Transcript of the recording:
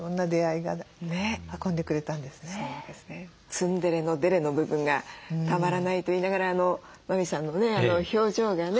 ツンデレのデレの部分がたまらないと言いながらあの麻美さんのね表情がね